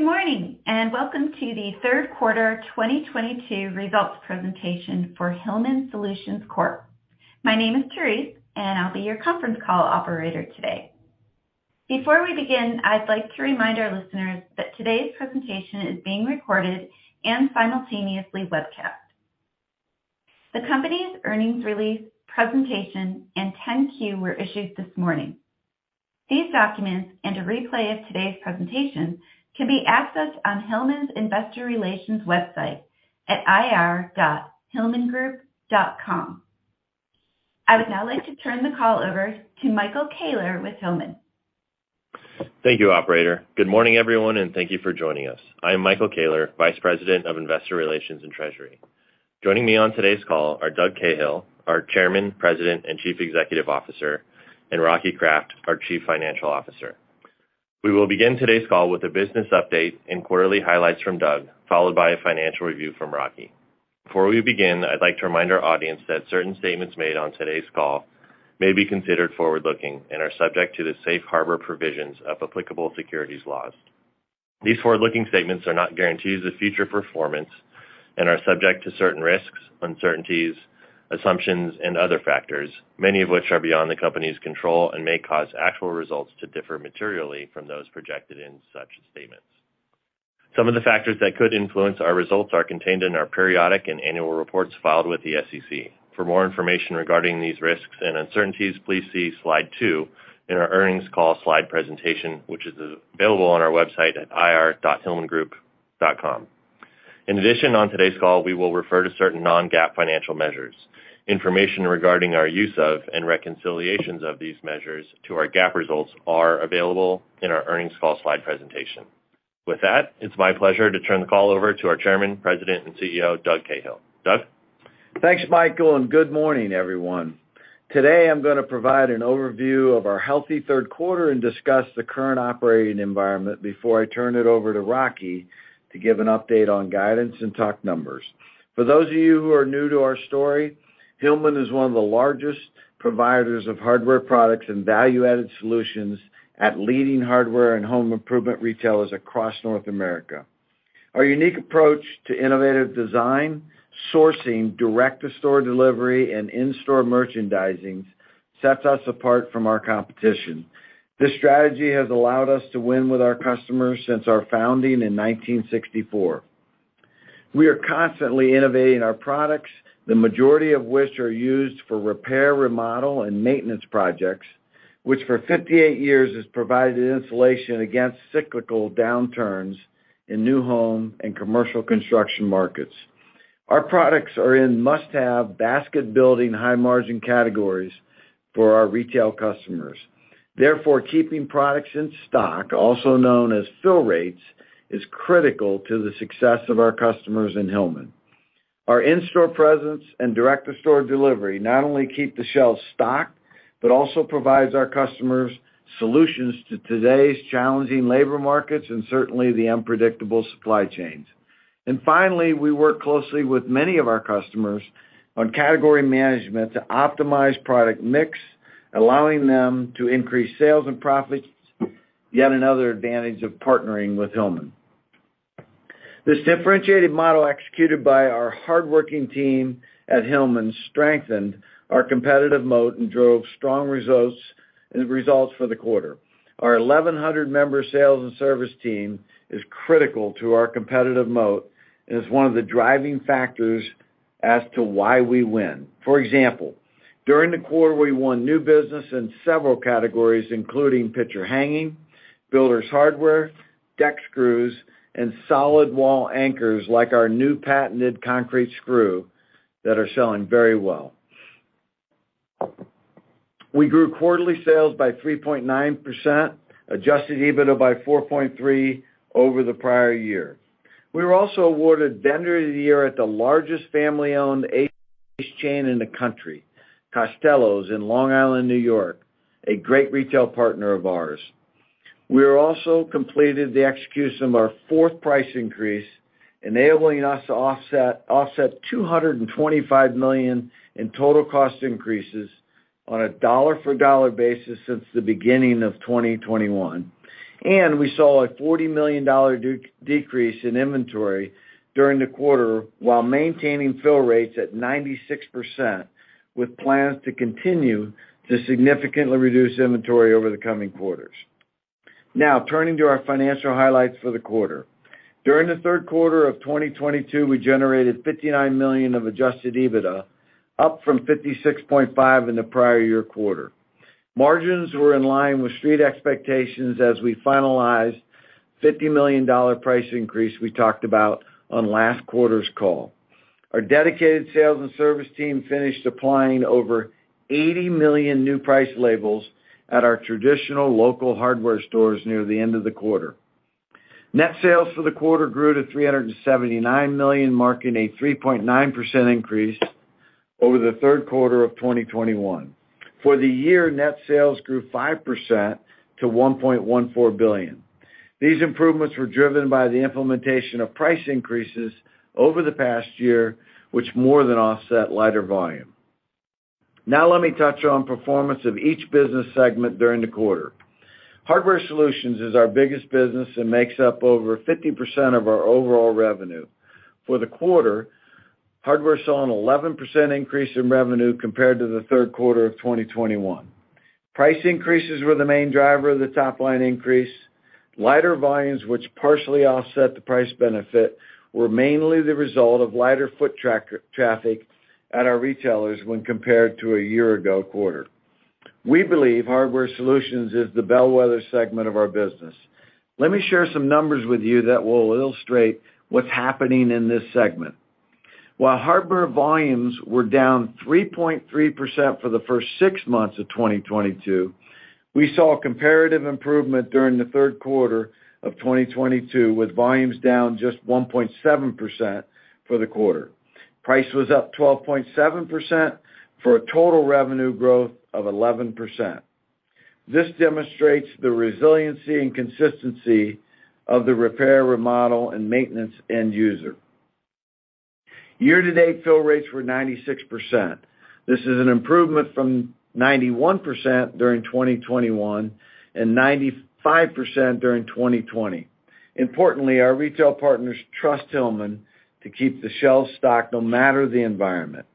morning, and welcome to the third quarter 2022 results presentation for Hillman Solutions Corp. My name is Therese, and I'll be your conference call operator today. Before we begin, I'd like to remind our listeners that today's presentation is being recorded and simultaneously webcast. The company's earnings release presentation and 10-Q were issued this morning. These documents and a replay of today's presentation can be accessed on Hillman's Investor Relations website at ir.hillmangroup.com. I would now like to turn the call over to Michael Koehler with Hillman. Thank you, operator. Good morning, everyone, and thank you for joining us. I am Michael Koehler, Vice President of Investor Relations and Treasury. Joining me on today's call are Doug Cahill, our Chairman, President, and Chief Executive Officer, and Rocky Kraft, our Chief Financial Officer. We will begin today's call with a business update and quarterly highlights from Doug, followed by a financial review from Rocky. Before we begin, I'd like to remind our audience that certain statements made on today's call may be considered forward-looking and are subject to the safe harbor provisions of applicable securities laws. These forward-looking statements are not guarantees of future performance and are subject to certain risks, uncertainties, assumptions, and other factors, many of which are beyond the company's control and may cause actual results to differ materially from those projected in such statements. Some of the factors that could influence our results are contained in our periodic and annual reports filed with the SEC. For more information regarding these risks and uncertainties, please see slide two in our earnings call slide presentation, which is available on our website at ir.hillmangroup.com. In addition, on today's call, we will refer to certain non-GAAP financial measures. Information regarding our use of and reconciliations of these measures to our GAAP results are available in our earnings call slide presentation. With that, it's my pleasure to turn the call over to our Chairman, President, and CEO, Doug Cahill. Doug? Thanks, Michael, and good morning, everyone. Today, I'm gonna provide an overview of our healthy third quarter and discuss the current operating environment before I turn it over to Rocky to give an update on guidance and talk numbers. For those of you who are new to our story, Hillman is one of the largest providers of hardware products and value-added solutions at leading hardware and home improvement retailers across North America. Our unique approach to innovative design, sourcing, direct-to-store delivery, and in-store merchandising sets us apart from our competition. This strategy has allowed us to win with our customers since our founding in 1964. We are constantly innovating our products, the majority of which are used for repair, remodel, and maintenance projects, which for 58 years has provided insulation against cyclical downturns in new home and commercial construction markets. Our products are in must-have basket building, high-margin categories for our retail customers. Therefore, keeping products in stock, also known as fill rates, is critical to the success of our customers in Hillman. Our in-store presence and direct-to-store delivery not only keep the shelves stocked but also provides our customers solutions to today's challenging labor markets and certainly the unpredictable supply chains. Finally, we work closely with many of our customers on category management to optimize product mix, allowing them to increase sales and profits, yet another advantage of partnering with Hillman. This differentiated model executed by our hardworking team at Hillman strengthened our competitive moat and drove strong results for the quarter. Our 1,100-member sales and service team is critical to our competitive moat and is one of the driving factors as to why we win. For example, during the quarter, we won new business in several categories, including picture hanging, builder's hardware, deck screws, and solid wall anchors, like our new patented concrete screw, that are selling very well. We grew quarterly sales by 3.9%, Adjusted EBITDA by 4.3% over the prior year. We were also awarded Vendor of the Year at the largest family-owned Ace chain in the country, Costello's in Long Island, New York, a great retail partner of ours. We also completed the execution of our fourth price increase, enabling us to offset $225 million in total cost increases on a dollar-for-dollar basis since the beginning of 2021, and we saw a $40 million decrease in inventory during the quarter while maintaining fill rates at 96%, with plans to continue to significantly reduce inventory over the coming quarters. Now turning to our financial highlights for the quarter. During the third quarter of 2022, we generated $59 million of Adjusted EBITDA, up from 56.5 in the prior year quarter. Margins were in line with street expectations as we finalized $50 million price increase we talked about on last quarter's call. Our dedicated sales and service team finished applying over 80 million new price labels at our traditional local hardware stores near the end of the quarter. Net sales for the quarter grew to $379 million, marking a 3.9% increase over the third quarter of 2021. For the year, net sales grew 5% to $1.14 billion. These improvements were driven by the implementation of price increases over the past year, which more than offset lighter volume. Now let me touch on performance of each business segment during the quarter. Hardware Solutions is our biggest business and makes up over 50% of our overall revenue. For the quarter, Hardware saw an 11% increase in revenue compared to the third quarter of 2021. Price increases were the main driver of the top-line increase. Lighter volumes, which partially offset the price benefit, were mainly the result of lighter foot traffic at our retailers when compared to a year-ago quarter. We believe Hardware Solutions is the bellwether segment of our business. Let me share some numbers with you that will illustrate what's happening in this segment. While Hardware volumes were down 3.3% for the first six months of 2022, we saw a comparative improvement during the third quarter of 2022, with volumes down just 1.7% for the quarter. Price was up 12.7% for a total revenue growth of 11%. This demonstrates the resiliency and consistency of the repair, remodel, and maintenance end user. Year-to-date fill rates were 96%. This is an improvement from 91% during 2021 and 95% during 2020. Importantly, our retail partners trust Hillman to keep the shelves stocked no matter the environment.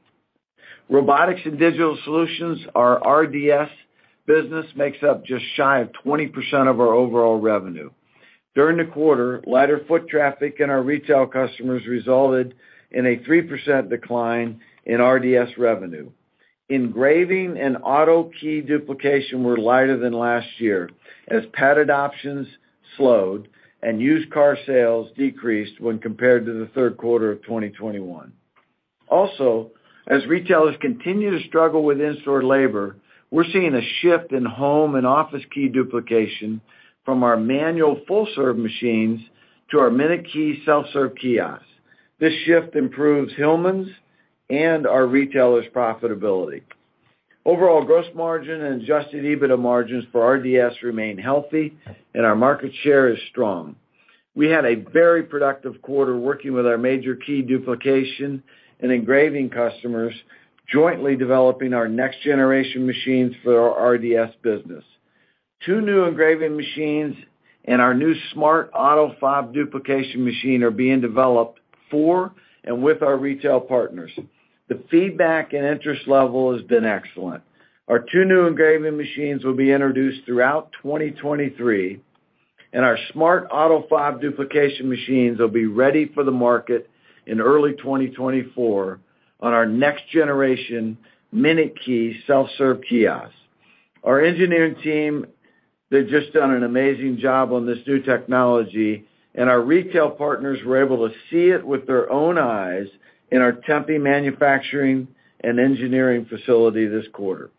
Robotics and Digital Solutions, our RDS business, makes up just shy of 20% of our overall revenue. During the quarter, lighter foot traffic in our retail customers resulted in a 3% decline in RDS revenue. Engraving and auto key duplication were lighter than last year as petted options slowed and used car sales decreased when compared to the third quarter of 2021. Retailers continue to struggle with in-store labor. We're seeing a shift in home and office key duplication from our manual full-serve machines to our minuteKEY self-serve kiosks. This shift improves Hillman's and our retailers' profitability. Overall gross margin and Adjusted EBITDA margins for RDS remain healthy, and our market share is strong. We had a very productive quarter working with our major key duplication and engraving customers, jointly developing our next-generation machines for our RDS business. Two new engraving machines and our new smart auto fob duplication machine are being developed for and with our retail partners. The feedback and interest level has been excellent. Our two new engraving machines will be introduced throughout 2023, and our smart auto fob duplication machines will be ready for the market in early 2024 on our next-generation minuteKEY self-serve kiosks. Our engineering team, they've just done an amazing job on this new technology, and our retail partners were able to see it with their own eyes in our Tempe manufacturing and engineering facility this quarter.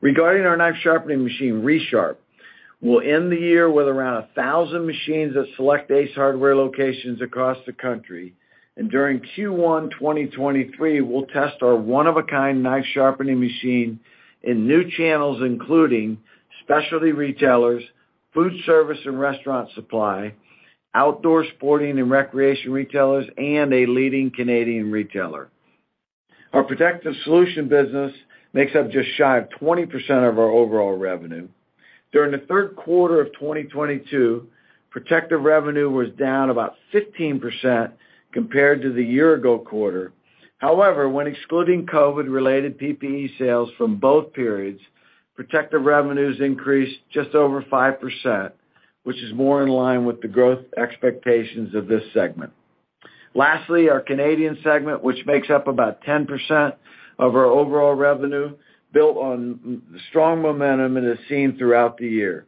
Regarding our knife sharpening machine, Resharp, we'll end the year with around 1,000 machines at select Ace Hardware locations across the country, and during Q1 2023, we'll test our one-of-a-kind knife sharpening machine in new channels, including specialty retailers, food service and restaurant supply, outdoor sporting and recreation retailers, and a leading Canadian retailer. Our Protective Solutions business makes up just shy of 20% of our overall revenue. During the third quarter of 2022, Protective revenue was down about 15% compared to the year-ago quarter. However, when excluding COVID-related PPE sales from both periods, Protective revenues increased just over 5%, which is more in line with the growth expectations of this segment. Lastly, our Canadian segment, which makes up about 10% of our overall revenue, built on strong momentum that is seen throughout the year.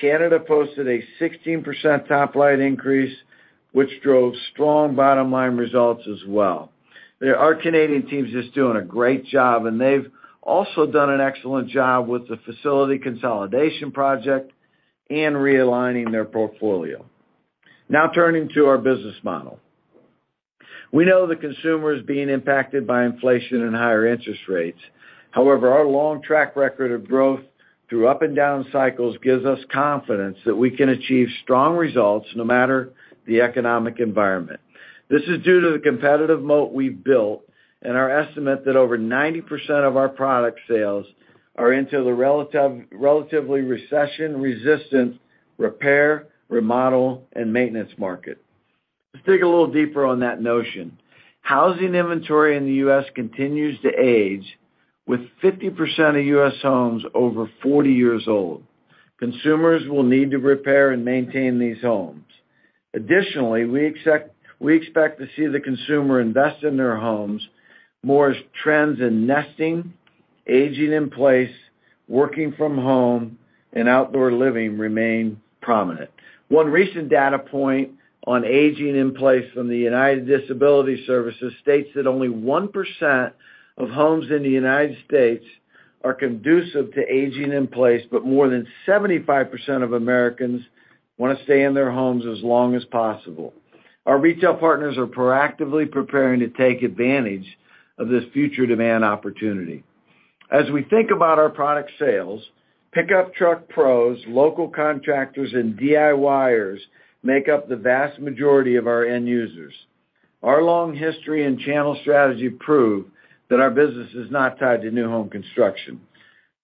Canada posted a 16% top-line increase, which drove strong bottom-line results as well. There, our Canadian team's just doing a great job, and they've also done an excellent job with the facility consolidation project and realigning their portfolio. Now turning to our business model. We know the consumer is being impacted by inflation and higher interest rates. However, our long track record of growth through up and down cycles gives us confidence that we can achieve strong results, no matter the economic environment. This is due to the competitive moat we've built and our estimate that over 90% of our product sales are into the relatively recession-resistant repair, remodel, and maintenance market. Let's dig a little deeper on that notion. Housing inventory in the U.S. continues to age, with 50% of U.S. homes over 40 years old. Consumers will need to repair and maintain these homes. Additionally, we expect to see the consumer invest in their homes more as trends in nesting, aging in place, working from home, and outdoor living remain prominent. One recent data point on aging in place from the United Disability Services states that only 1% of homes in the United States are conducive to aging in place, but more than 75% of Americans wanna stay in their homes as long as possible. Our retail partners are proactively preparing to take advantage of this future demand opportunity. As we think about our product sales, pickup truck pros, local contractors, and DIYers make up the vast majority of our end users. Our long history and channel strategy prove that our business is not tied to new home construction.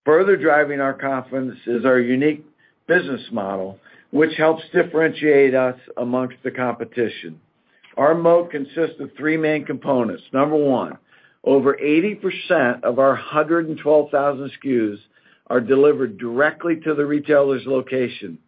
Further driving our confidence is our unique business model, which helps differentiate us amongst the competition. Our moat consists of three main components. Number one, over 80% of our 112,000 SKUs are delivered directly to the retailer's location.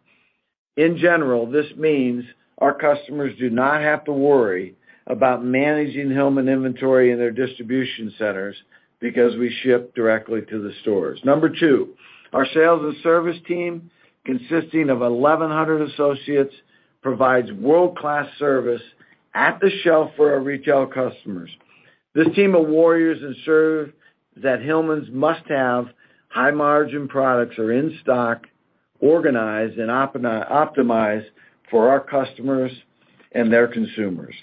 In general, this means our customers do not have to worry about managing Hillman inventory in their distribution centers because we ship directly to the stores. Number two, our sales and service team, consisting of 1,100 associates, provides world-class service at the shelf for our retail customers. This team of warriors ensure that Hillman's must-have high-margin products are in stock, organized, and optimized for our customers and their consumers.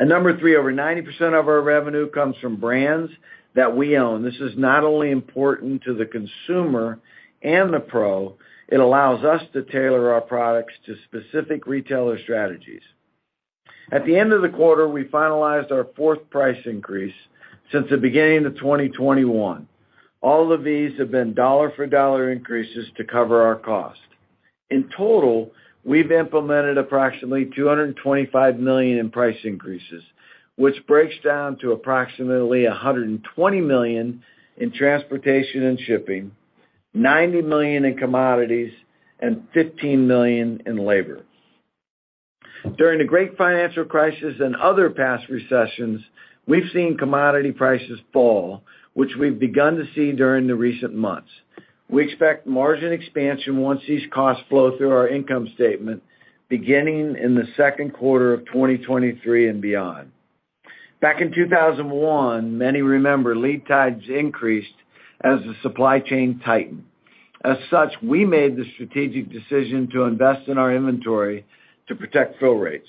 Number three, over 90% of our revenue comes from brands that we own. This is not only important to the consumer and the pro, it allows us to tailor our products to specific retailer strategies. At the end of the quarter, we finalized our fourth price increase since the beginning of 2021. All of these have been dollar-for-dollar increases to cover our cost. In total, we've implemented approximately $225 million in price increases, which breaks down to approximately $120 million in transportation and shipping, $90 million in commodities, and $15 million in labor. During the great financial crisis and other past recessions, we've seen commodity prices fall, which we've begun to see during the recent months. We expect margin expansion once these costs flow through our income statement, beginning in the second quarter of 2023 and beyond. Back in 2001, many remember lead times increased as the supply chain tightened. As such, we made the strategic decision to invest in our inventory to protect fill rates.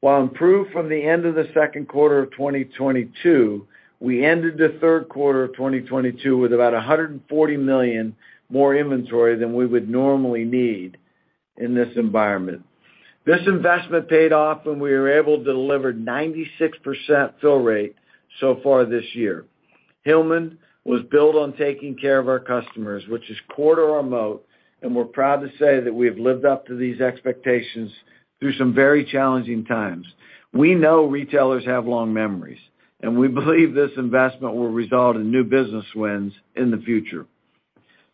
While improved from the end of the second quarter of 2022, we ended the third quarter of 2022 with about $140 million more inventory than we would normally need in this environment. This investment paid off when we were able to deliver 96% fill rate so far this year. Hillman was built on taking care of our customers, which is core to our moat, and we're proud to say that we have lived up to these expectations through some very challenging times. We know retailers have long memories, and we believe this investment will result in new business wins in the future.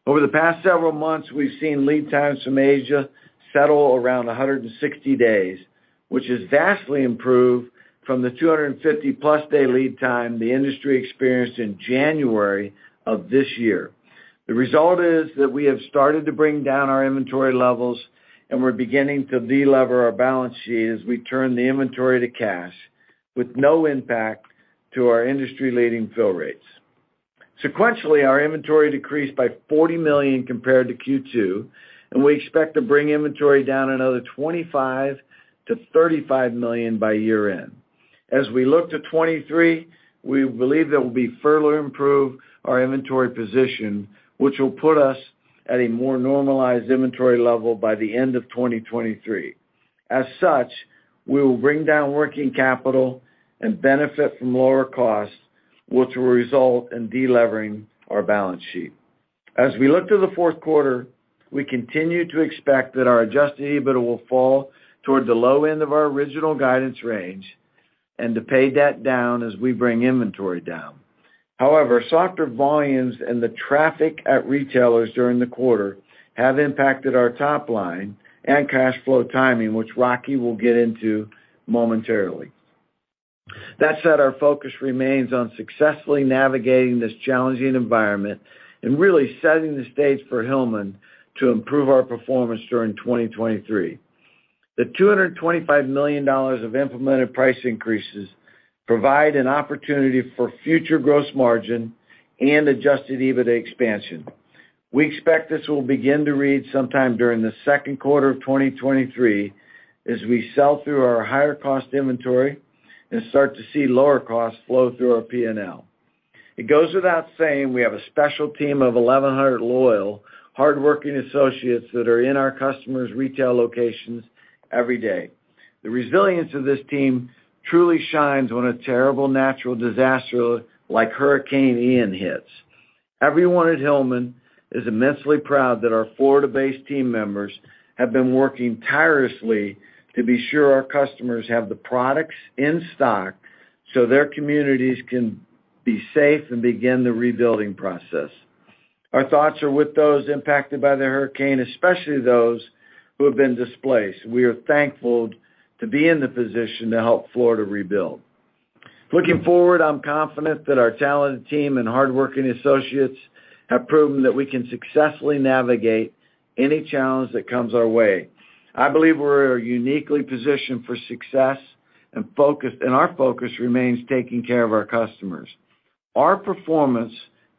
Over the past several months, we've seen lead times from Asia settle around 160 days, which has vastly improved from the 250+ day lead time the industry experienced in January of this year. The result is that we have started to bring down our inventory levels, and we're beginning to delever our balance sheet as we turn the inventory to cash with no impact to our industry-leading fill rates. Sequentially, our inventory decreased by $40 million compared to Q2, and we expect to bring inventory down another $25 million-$35 million by year-end. As we look to 2023, we believe that we'll be further improve our inventory position, which will put us at a more normalized inventory level by the end of 2023. As such, we will bring down working capital and benefit from lower costs, which will result in delevering our balance sheet. As we look to the fourth quarter, we continue to expect that our Adjusted EBITDA will fall toward the low end of our original guidance range and to pay debt down as we bring inventory down. However, softer volumes and the traffic at retailers during the quarter have impacted our top line and cash flow timing, which Rocky will get into momentarily. That said, our focus remains on successfully navigating this challenging environment and really setting the stage for Hillman to improve our performance during 2023. The $225 million of implemented price increases provide an opportunity for future gross margin and Adjusted EBITDA expansion. We expect this will begin to read sometime during the second quarter of 2023 as we sell through our higher-cost inventory and start to see lower costs flow through our P&L. It goes without saying we have a special team of 1,100 loyal, hardworking associates that are in our customers' retail locations every day. The resilience of this team truly shines when a terrible natural disaster like Hurricane Ian hits. Everyone at Hillman is immensely proud that our Florida-based team members have been working tirelessly to be sure our customers have the products in stock so their communities can be safe and begin the rebuilding process. Our thoughts are with those impacted by the hurricane, especially those who have been displaced. We are thankful to be in the position to help Florida rebuild. Looking forward, I'm confident that our talented team and hardworking associates have proven that we can successfully navigate any challenge that comes our way. I believe we're uniquely positioned for success, and our focus remains taking care of our customers. Our performance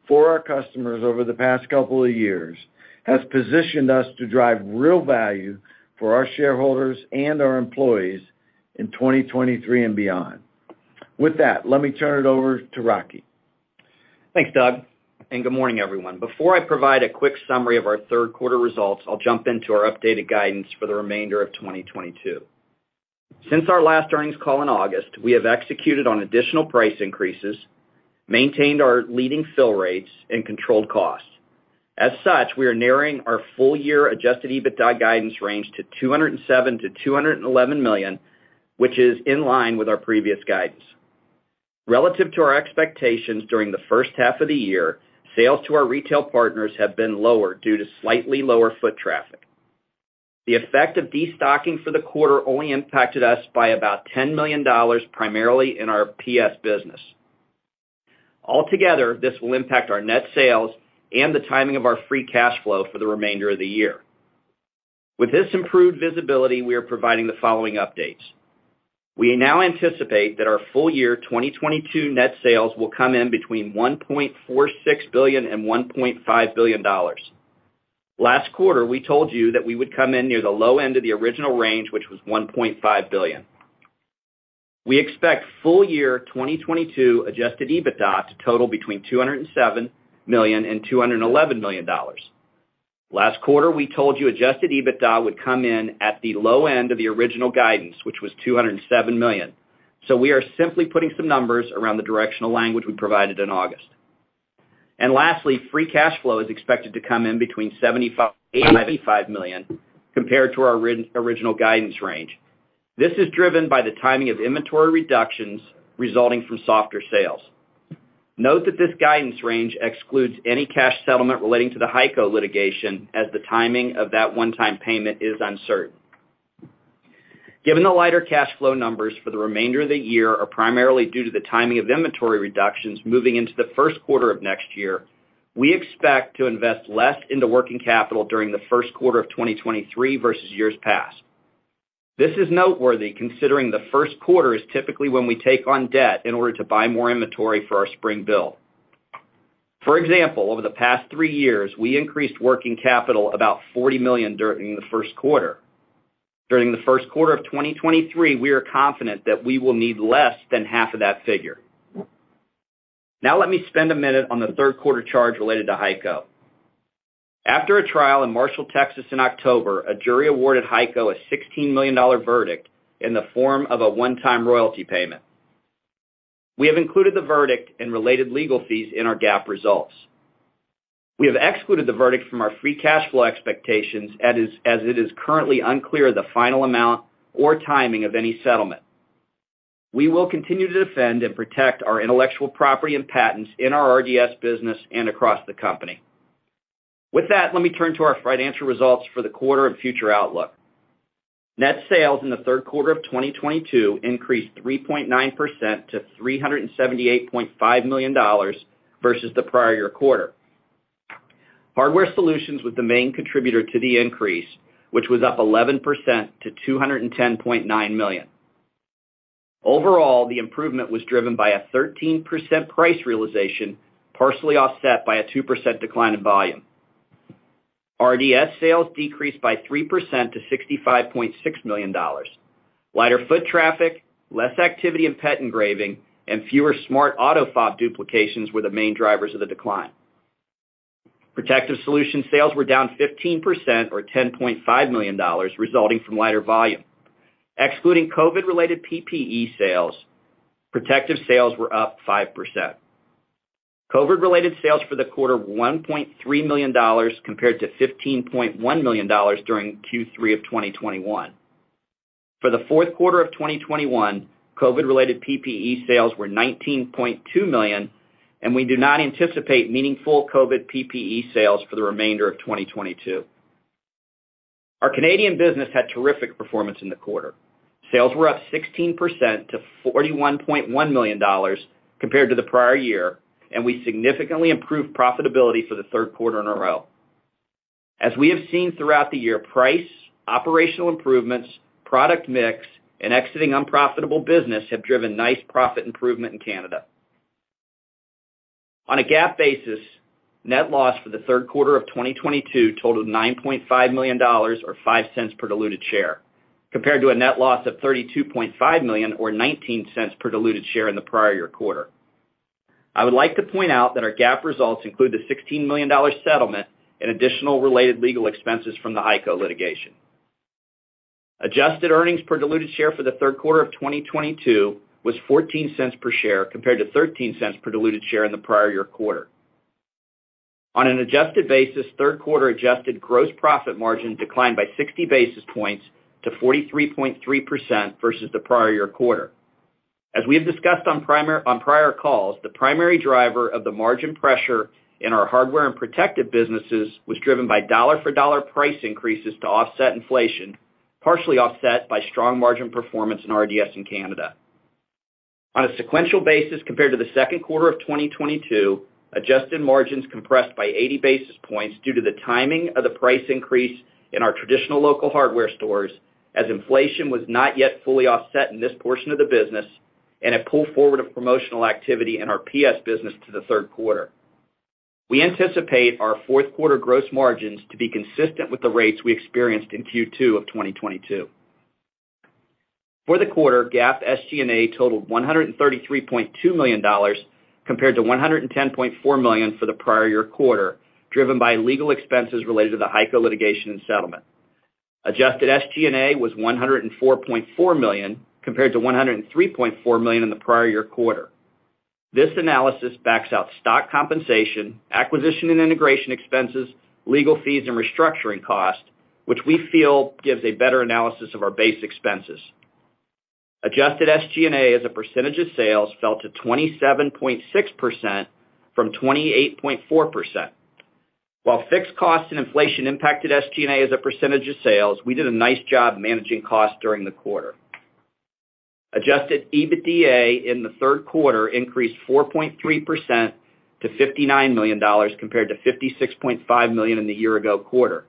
for our customers over the past couple of years has positioned us to drive real value for our shareholders and our employees. In 2023 and beyond. With that, let me turn it over to Rocky. Thanks, Doug, and good morning, everyone. Before I provide a quick summary of our third quarter results, I'll jump into our updated guidance for the remainder of 2022. Since our last earnings call in August, we have executed on additional price increases, maintained our leading fill rates and controlled costs. As such, we are narrowing our full year Adjusted EBITDA guidance range to $207 million-$211 million, which is in line with our previous guidance. Relative to our expectations during the first half of the year, sales to our retail partners have been lower due to slightly lower foot traffic. The effect of destocking for the quarter only impacted us by about $10 million, primarily in our PS business. Altogether, this will impact our net sales and the timing of our free cash flow for the remainder of the year. With this improved visibility, we are providing the following updates. We now anticipate that our full year 2022 net sales will come in between $1.46 billion and $1.5 billion. Last quarter, we told you that we would come in near the low end of the original range, which was $1.5 billion. We expect full year 2022 Adjusted EBITDA to total between $207 million and $211 million. Last quarter, we told you Adjusted EBITDA would come in at the low end of the original guidance, which was $207 million. We are simply putting some numbers around the directional language we provided in August. Lastly, free cash flow is expected to come in between $75 million and $85 million compared to our original guidance range. This is driven by the timing of inventory reductions resulting from softer sales. Note that this guidance range excludes any cash settlement relating to the Hy-Ko litigation, as the timing of that one-time payment is uncertain. Given the lighter cash flow numbers for the remainder of the year are primarily due to the timing of inventory reductions moving into the first quarter of next year, we expect to invest less into working capital during the first quarter of 2023 versus years past. This is noteworthy considering the first quarter is typically when we take on debt in order to buy more inventory for our spring build. For example, over the past three years, we increased working capital about $40 million during the first quarter. During the first quarter of 2023, we are confident that we will need less than half of that figure. Now let me spend a minute on the third quarter charge related to Hy-Ko. After a trial in Marshall, Texas in October, a jury awarded Hy-Ko a $16 million verdict in the form of a one-time royalty payment. We have included the verdict and related legal fees in our GAAP results. We have excluded the verdict from our free cash flow expectations as it is currently unclear the final amount or timing of any settlement. We will continue to defend and protect our intellectual property and patents in our RDS business and across the company. With that, let me turn to our financial results for the quarter and future outlook. Net sales in the third quarter of 2022 increased 3.9% to $378.5 million versus the prior year quarter. Hardware Solutions was the main contributor to the increase, which was up 11% to $210.9 million. Overall, the improvement was driven by a 13% price realization, partially offset by a 2% decline in volume. RDS sales decreased by 3% to $65.6 million. Lighter foot traffic, less activity in pet engraving, and fewer smart auto fob duplications were the main drivers of the decline. Protective Solutions sales were down 15% or $10.5 million resulting from lighter volume. Excluding COVID-related PPE sales, Protective sales were up 5%. COVID-related sales for the quarter, $1.3 million compared to $15.1 million during Q3 of 2021. For the fourth quarter of 2021, COVID-related PPE sales were $19.2 million, and we do not anticipate meaningful COVID PPE sales for the remainder of 2022. Our Canadian business had terrific performance in the quarter. Sales were up 16% to $41.1 million compared to the prior year, and we significantly improved profitability for the third quarter in a row. As we have seen throughout the year, price, operational improvements, product mix, and exiting unprofitable business have driven nice profit improvement in Canada. On a GAAP basis, net loss for the third quarter of 2022 totaled $9.5 million or $0.05 per diluted share, compared to a net loss of $32.5 million or $0.19 per diluted share in the prior year quarter. I would like to point out that our GAAP results include the $16 million settlement and additional related legal expenses from the Hy-Ko litigation. Adjusted earnings per diluted share for the third quarter of 2022 was $0.14 per share compared to $0.13 per diluted share in the prior year quarter. On an adjusted basis, third quarter adjusted gross profit margin declined by 60 basis points to 43.3% versus the prior year quarter. As we have discussed on prior calls, the primary driver of the margin pressure in our hardware and protective businesses was driven by dollar-for-dollar price increases to offset inflation, partially offset by strong margin performance in RDS in Canada. On a sequential basis, compared to the second quarter of 2022, adjusted margins compressed by 80 basis points due to the timing of the price increase in our traditional local hardware stores, as inflation was not yet fully offset in this portion of the business, and it pulled forward a promotional activity in our PS business to the third quarter. We anticipate our fourth quarter gross margins to be consistent with the rates we experienced in Q2 of 2022. For the quarter, GAAP SG&A totaled $133.2 million compared to $110.4 million for the prior year quarter, driven by legal expenses related to the Hy-Ko litigation and settlement. Adjusted SG&A was $104.4 million, compared to $103.4 million in the prior year quarter. This analysis backs out stock compensation, acquisition and integration expenses, legal fees, and restructuring costs, which we feel gives a better analysis of our base expenses. Adjusted SG&A as a percentage of sales fell to 27.6% from 28.4%. While fixed costs and inflation impacted SG&A as a percentage of sales, we did a nice job managing costs during the quarter. Adjusted EBITDA in the third quarter increased 4.3% to $59 million compared to $56.5 million in the year ago quarter.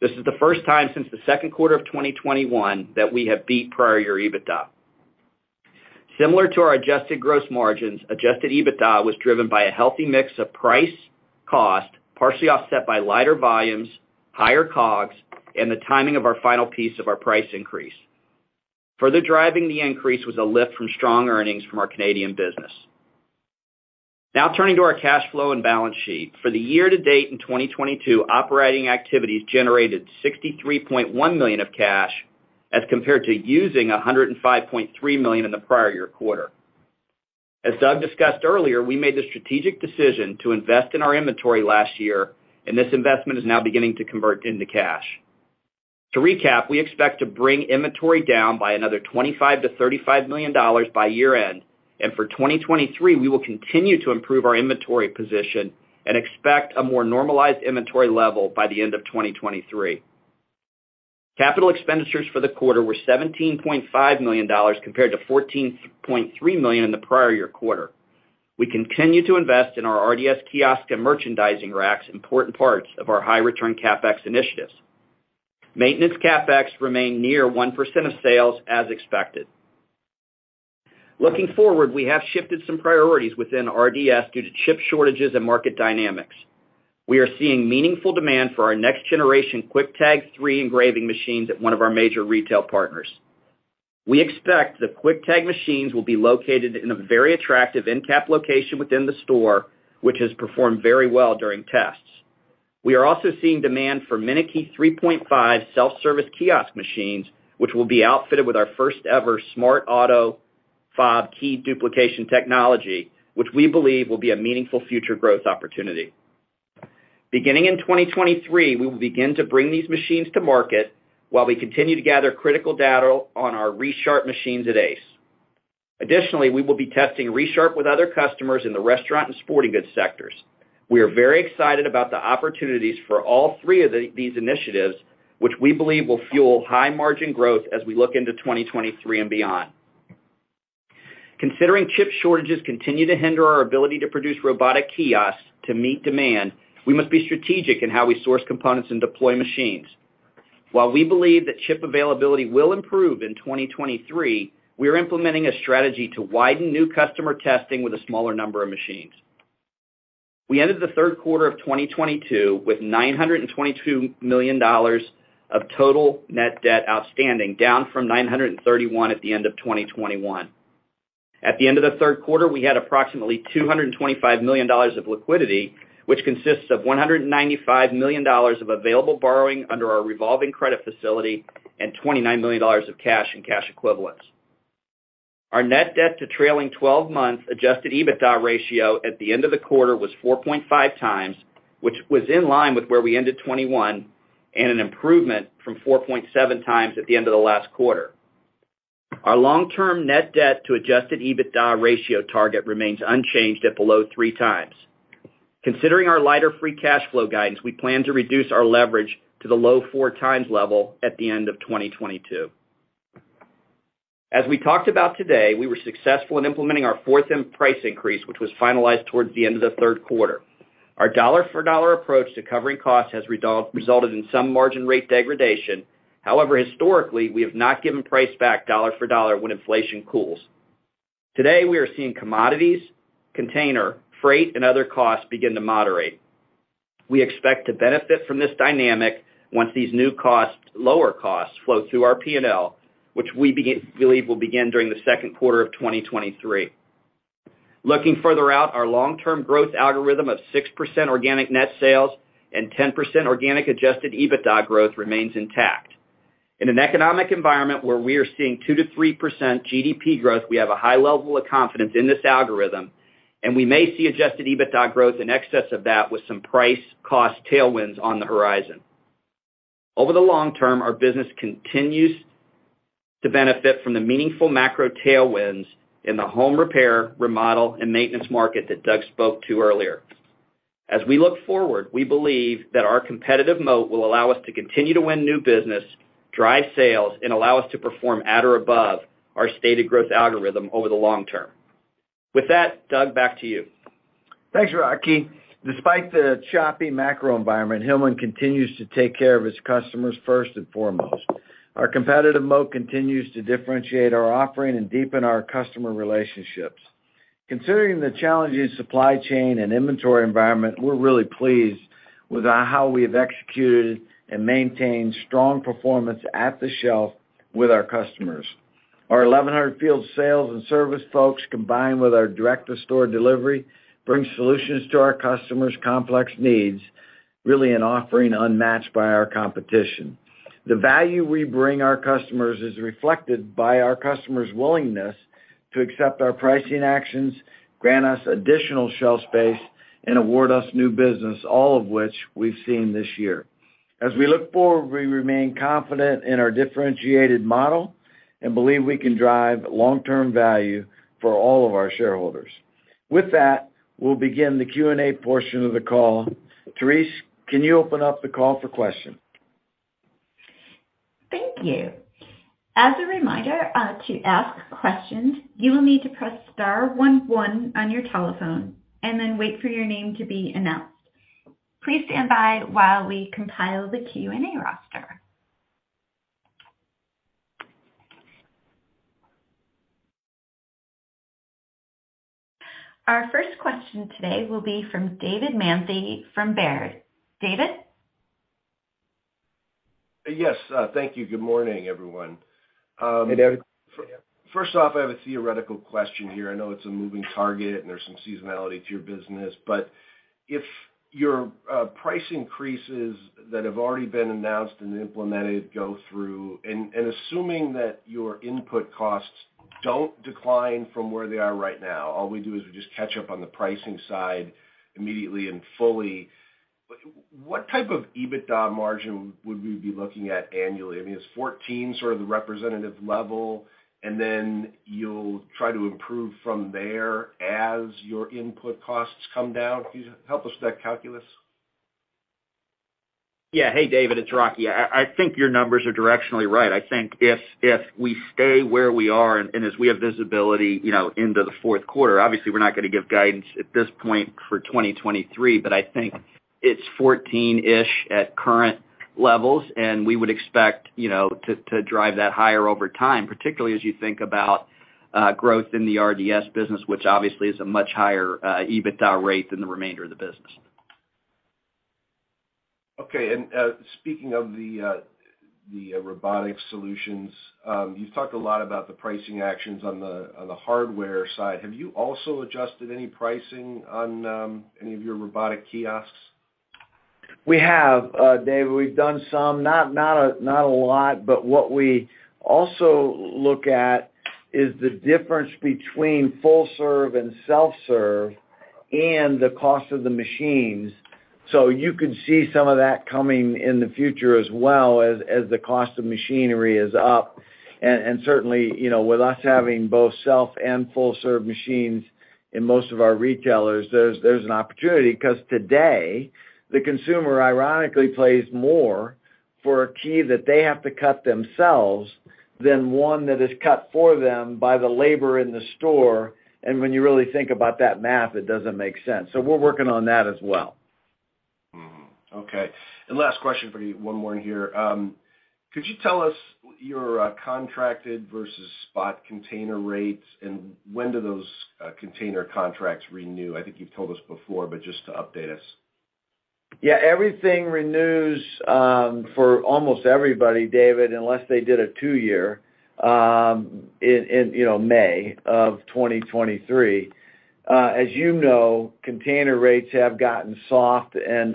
This is the first time since the second quarter of 2021 that we have beat prior year EBITDA. Similar to our adjusted gross margins, Adjusted EBITDA was driven by a healthy mix of price cost, partially offset by lighter volumes, higher COGS, and the timing of our final piece of our price increase. Further driving the increase was a lift from strong earnings from our Canadian business. Now turning to our cash flow and balance sheet. For the year to date in 2022, operating activities generated $63.1 million of cash as compared to using $105.3 million in the prior year quarter. As Doug discussed earlier, we made the strategic decision to invest in our inventory last year, and this investment is now beginning to convert into cash. To recap, we expect to bring inventory down by another $25 million-$35 million by year-end, and for 2023, we will continue to improve our inventory position and expect a more normalized inventory level by the end of 2023. Capital expenditures for the quarter were $17.5 million compared to $14.3 million in the prior year quarter. We continue to invest in our RDS kiosk and merchandising racks, important parts of our high return CapEx initiatives. Maintenance CapEx remain near 1% of sales as expected. Looking forward, we have shifted some priorities within RDS due to chip shortages and market dynamics. We are seeing meaningful demand for our next generation Quick-Tag three engraving machines at one of our major retail partners. We expect the Quick-Tag machines will be located in a very attractive end cap location within the store, which has performed very well during tests. We are also seeing demand for minuteKEY 3.5 self-service kiosk machines, which will be outfitted with our first-ever smart auto fob key duplication technology, which we believe will be a meaningful future growth opportunity. Beginning in 2023, we will begin to bring these machines to market while we continue to gather critical data on our Resharp machines at Ace. Additionally, we will be testing Resharp with other customers in the restaurant and sporting goods sectors. We are very excited about the opportunities for all three of these initiatives, which we believe will fuel high margin growth as we look into 2023 and beyond. Considering chip shortages continue to hinder our ability to produce robotic kiosks to meet demand, we must be strategic in how we source components and deploy machines. While we believe that chip availability will improve in 2023, we are implementing a strategy to widen new customer testing with a smaller number of machines. We ended the third quarter of 2022 with $922 million of total net debt outstanding, down from $931 million at the end of 2021. At the end of the third quarter, we had approximately $225 million of liquidity, which consists of $195 million of available borrowing under our revolving credit facility and $29 million of cash and cash equivalents. Our net debt to trailing 12 months Adjusted EBITDA ratio at the end of the quarter was 4.5x, which was in line with where we ended 2021 and an improvement from 4.7x at the end of the last quarter. Our long-term net debt to Adjusted EBITDA ratio target remains unchanged at below 3x. Considering our lighter free cash flow guidance, we plan to reduce our leverage to the low 4x level at the end of 2022. As we talked about today, we were successful in implementing our fourth end price increase, which was finalized towards the end of the third quarter. Our dollar-for-dollar approach to covering costs has resulted in some margin rate degradation. However, historically, we have not given price back dollar-for-dollar when inflation cools. Today, we are seeing commodities, container, freight, and other costs begin to moderate. We expect to benefit from this dynamic once these new costs, lower costs flow through our P&L, which we believe will begin during the second quarter of 2023. Looking further out, our long-term growth algorithm of 6% organic net sales and 10% organic Adjusted EBITDA growth remains intact. In an economic environment where we are seeing 2%-3% GDP growth, we have a high level of confidence in this algorithm, and we may see Adjusted EBITDA growth in excess of that with some price cost tailwinds on the horizon. Over the long term, our business continues to benefit from the meaningful macro tailwinds in the home repair, remodel, and maintenance market that Doug spoke to earlier. As we look forward, we believe that our competitive moat will allow us to continue to win new business, drive sales, and allow us to perform at or above our stated growth algorithm over the long term. With that, Doug, back to you. Thanks, Rocky. Despite the choppy macro environment, Hillman continues to take care of its customers first and foremost. Our competitive mode continues to differentiate our offering and deepen our customer relationships. Considering the challenging supply chain and inventory environment, we're really pleased with how we have executed and maintained strong performance at the shelf with our customers. Our 1,100 field sales and service folks, combined with our direct-to-store delivery, brings solutions to our customers' complex needs, really an offering unmatched by our competition. The value we bring our customers is reflected by our customers' willingness to accept our pricing actions, grant us additional shelf space, and award us new business, all of which we've seen this year. As we look forward, we remain confident in our differentiated model and believe we can drive long-term value for all of our shareholders. With that, we'll begin the Q&A portion of the call. Therese, can you open up the call for questions? Thank you. As a reminder, to ask questions, you will need to press star one one on your telephone and then wait for your name to be announced. Please stand by while we compile the Q&A roster. Our first question today will be from David Manthey from Baird. David? Yes. Thank you. Good morning, everyone. Hey, David. First off, I have a theoretical question here. I know it's a moving target, and there's some seasonality to your business. If your price increases that have already been announced and implemented go through, and assuming that your input costs don't decline from where they are right now, all we do is we just catch up on the pricing side immediately and fully, what type of EBITDA margin would we be looking at annually? I mean, is 14% sort of the representative level, and then you'll try to improve from there as your input costs come down? Can you help us with that calculus? Yeah. Hey, David, it's Rocky. I think your numbers are directionally right. I think if we stay where we are, and as we have visibility, you know, into the fourth quarter, obviously, we're not gonna give guidance at this point for 2023, but I think it's 14-ish at current levels, and we would expect, you know, to drive that higher over time, particularly as you think about growth in the RDS business, which obviously is a much higher EBITDA rate than the remainder of the business. Okay. Speaking of the robotic solutions, you've talked a lot about the pricing actions on the hardware side. Have you also adjusted any pricing on any of your robotic kiosks? We have, Dave. We've done some, not a lot. What we also look at is the difference between full serve and self-serve and the cost of the machines. You could see some of that coming in the future as well as the cost of machinery is up. Certainly, you know, with us having both self and full serve machines in most of our retailers, there's an opportunity 'cause today, the consumer ironically pays more for a key that they have to cut themselves than one that is cut for them by the labor in the store. When you really think about that math, it doesn't make sense. We're working on that as well. Mm-hmm. Okay. Last question for you, one more here. Could you tell us your contracted versus spot container rates, and when do those container contracts renew? I think you've told us before, but just to update us. Yeah. Everything renews for almost everybody, David, unless they did a two-year, you know, May of 2023. As you know, container rates have gotten soft and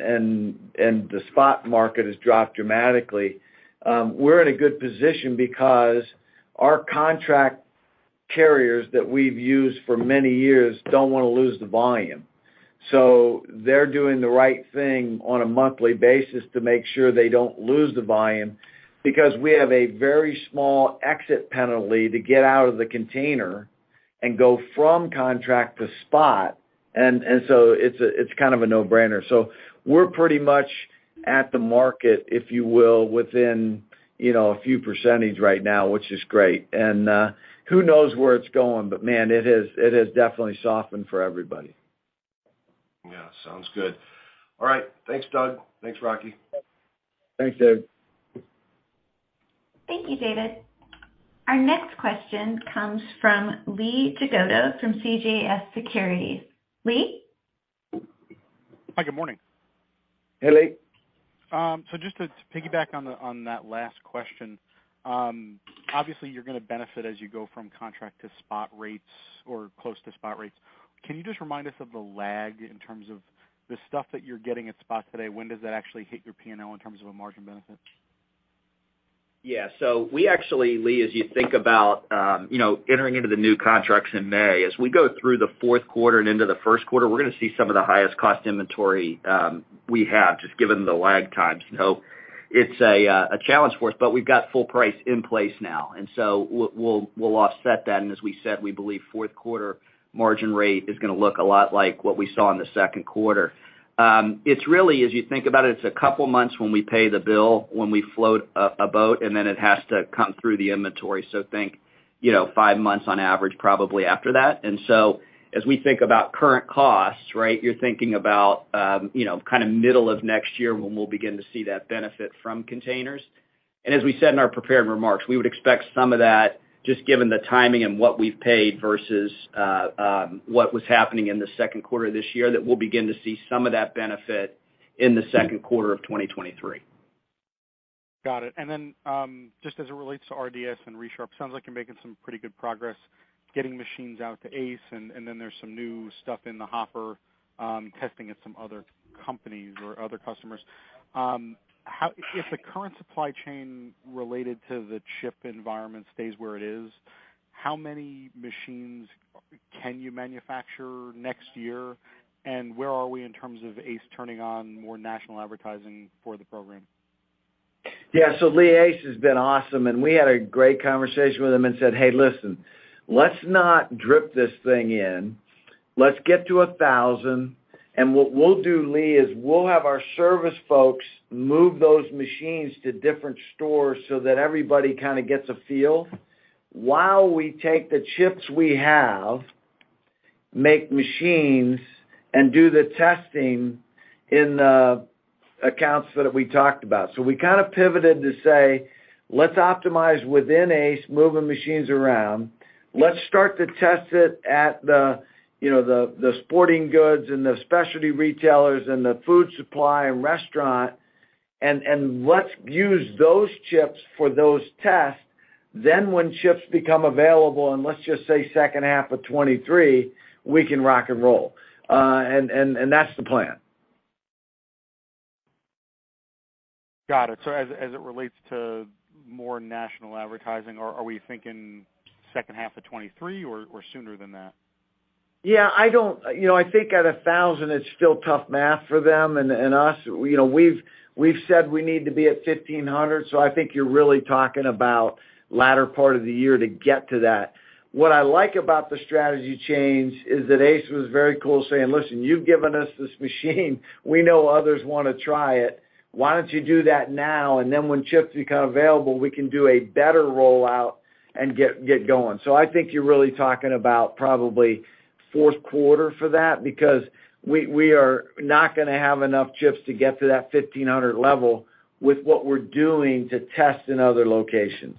the spot market has dropped dramatically. We're in a good position because our contract carriers that we've used for many years don't wanna lose the volume. So they're doing the right thing on a monthly basis to make sure they don't lose the volume because we have a very small exit penalty to get out of the container and go from contract to spot. So it's kind of a no-brainer. We're pretty much at the market, if you will, within, you know, a few percentage right now, which is great. Who knows where it's going? Man, it has definitely softened for everybody. Yeah. Sounds good. All right. Thanks, Doug. Thanks, Rocky. Thanks, David. Thank you, David. Our next question comes from Lee Jagoda from CJS Securities. Lee? Hi, good morning. Hey, Lee. Just to piggyback on that last question, obviously you're gonna benefit as you go from contract to spot rates or close to spot rates. Can you just remind us of the lag in terms of the stuff that you're getting at spot today? When does that actually hit your P&L in terms of a margin benefit? Yeah. We actually, Lee, as you think about, you know, entering into the new contracts in May, as we go through the fourth quarter and into the first quarter, we're gonna see some of the highest cost inventory we have, just given the lag times. It's a challenge for us, but we've got full price in place now, and we'll offset that. As we said, we believe fourth quarter margin rate is gonna look a lot like what we saw in the second quarter. It's really, as you think about it, a couple months when we pay the bill, when we float a boat, and then it has to come through the inventory. Think, you know, five months on average probably after that. We think about current costs, right? You're thinking about, you know, kind of middle of next year when we'll begin to see that benefit from containers. As we said in our prepared remarks, we would expect some of that, just given the timing and what we've paid versus what was happening in the second quarter of this year, that we'll begin to see some of that benefit in the second quarter of 2023. Got it. Then, just as it relates to RDS and Resharp, sounds like you're making some pretty good progress getting machines out to Ace, and then there's some new stuff in the hopper, testing at some other companies or other customers. How, if the current supply chain related to the chip environment stays where it is, how many machines can you manufacture next year? Where are we in terms of Ace turning on more national advertising for the program? Yeah. Lee, Ace has been awesome, and we had a great conversation with them and said, "Hey, listen, let's not drip this thing in. Let's get to 1,000, and what we'll do, Lee, is we'll have our service folks move those machines to different stores so that everybody kind of gets a feel while we take the chips we have, make machines, and do the testing in the accounts that we talked about." We kind of pivoted to say, "Let's optimize within Ace, moving machines around. Let's start to test it at the, you know, sporting goods and the specialty retailers and the food supply and restaurant, and let's use those chips for those tests. When chips become available, and let's just say second half of 2023, we can rock and roll." And that's the plan. Got it. As it relates to more national advertising, are we thinking second half of 2023 or sooner than that? Yeah, I don't. You know, I think at 1,000 it's still tough math for them and us. You know, we've said we need to be at 1,500, so I think you're really talking about latter part of the year to get to that. What I like about the strategy change is that Ace was very cool saying, "Listen, you've given us this machine. We know others wanna try it. Why don't you do that now, and then when chips become available, we can do a better rollout and get going." So I think you're really talking about probably fourth quarter for that because we are not gonna have enough chips to get to that 1,500 level with what we're doing to test in other locations.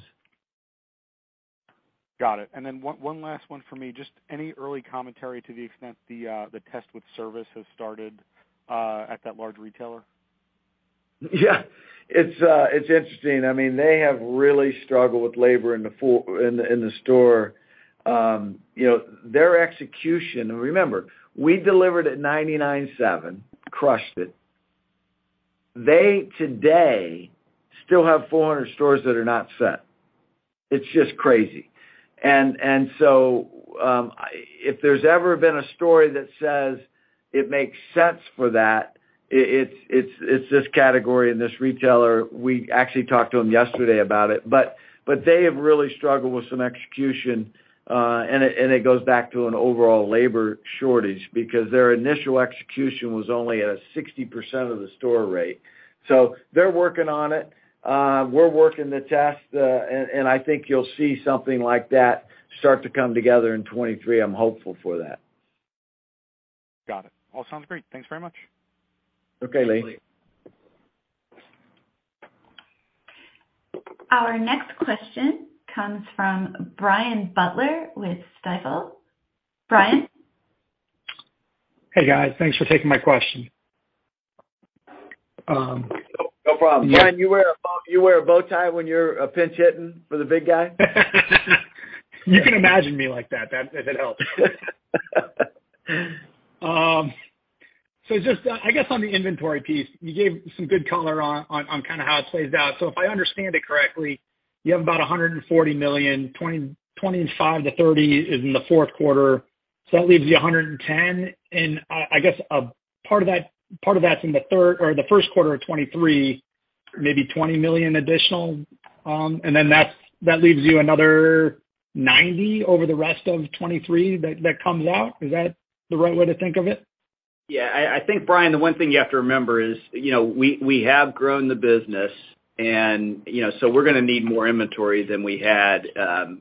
Got it. One last one for me. Just any early commentary to the extent the test with service has started at that large retailer? Yeah. It's interesting. I mean, they have really struggled with labor in the store. You know, their execution. Remember, we delivered at 99.7, crushed it. They today still have 400 stores that are not set. It's just crazy. If there's ever been a story that says it makes sense for that, it's this category and this retailer. We actually talked to them yesterday about it. They have really struggled with some execution, and it goes back to an overall labor shortage because their initial execution was only at a 60% of the store rate. They're working on it. We're working the test, and I think you'll see something like that start to come together in 2023. I'm hopeful for that. Got it. All sounds great. Thanks very much. Okay, Lee. Our next question comes from Brian Butler with Stifel. Brian? Hey, guys. Thanks for taking my question. No problem. Brian, you wear a bow, you wear a bow tie when you're pinch hitting for the big guy? You can imagine me like that, if it helps. I guess on the inventory piece, you gave some good color on kind of how it plays out. If I understand it correctly, you have about $140 million. $25 million-$30 million is in the fourth quarter, so that leaves you $110 million. A part of that that's in the third or first quarter of 2023, maybe $20 million additional, and then that leaves you another $90 million over the rest of 2023 that comes out. Is that the right way to think of it? Yeah. I think, Brian, the one thing you have to remember is, you know, we have grown the business and, you know, so we're gonna need more inventory than we had,